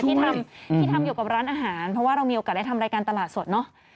ที่ทำเกี่ยวกับร้านอาหารเพราะว่าเรามีโอกาสได้ทำรายการตลาดสดเนอะ